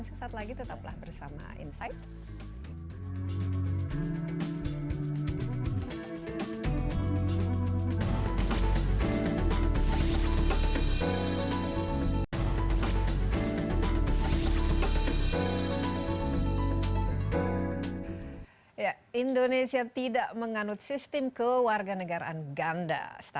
saat lagi tetaplah bersama insight